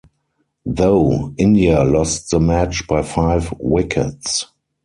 Though, India lost the match by five wickets.